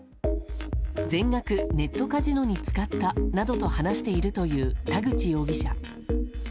全額ネットカジノに使ったなどと話しているという田口容疑者。